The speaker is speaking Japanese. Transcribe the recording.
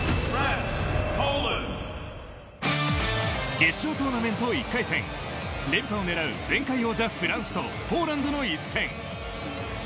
決勝トーナメント１回戦連覇を狙う前回王者・フランスとポーランドの一戦。